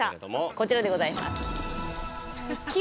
こちらでございます。